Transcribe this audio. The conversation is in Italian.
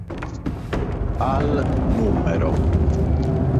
Al nr.